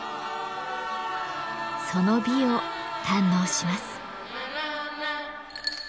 その美を堪能します。